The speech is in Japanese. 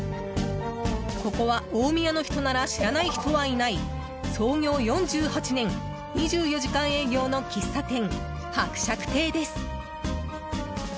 ここは、大宮の人なら知らない人はいない創業４８年、２４時間営業の喫茶店、伯爵邸です。